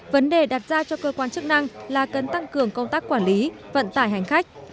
vấn đề đặt ra cho cơ quan chức năng là cần tăng cường công tác quản lý vận tải hành khách